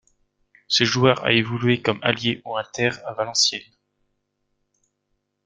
Ce joueur a évolué comme ailier ou inter à Valenciennes.